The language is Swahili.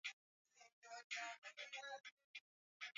Mapigano baina ya polisi yameuwa takriban watu mia moja